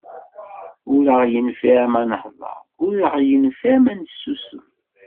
Ur aɣ-yenfiɛ ma nahḍer, ur yenfiɛ ma nessusem.